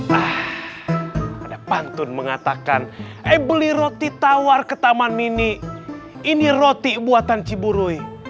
hai ah ada pantun mengatakan eh beli roti tawar ke taman mini ini roti buatan ciburuy